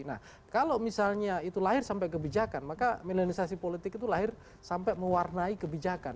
nah kalau misalnya itu lahir sampai kebijakan maka milenisasi politik itu lahir sampai mewarnai kebijakan